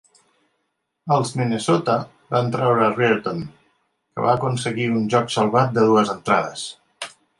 Els Minnesota van treure Reardon, que va aconseguir un joc salvat de dues entrades.